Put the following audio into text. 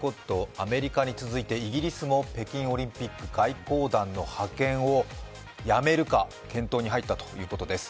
アメリカに続いてイギリスも北京オリンピック外交団の派遣をやめるか検討に入ったということです。